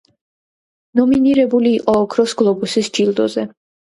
ნომინირებული იყო ოქროს გლობუსის ჯილდოზე.